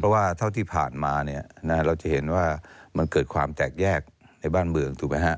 เพราะว่าเท่าที่ผ่านมาเราจะเห็นว่ามันเกิดความแตกแยกในบ้านเมืองถูกไหมฮะ